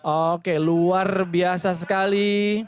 oke luar biasa sekali